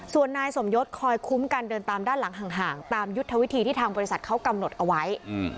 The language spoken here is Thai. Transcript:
ส่วนนายสมยศคอยคุ้มกันเดินตามด้านหลังห่างตามยุทธวิธีที่ทางบริษัทเขากำหนดเอาไว้